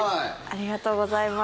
ありがとうございます。